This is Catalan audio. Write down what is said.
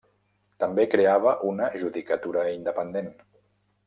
També creava una judicatura independent.